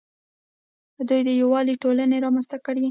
دوی د یووالي ټولنې رامنځته کړې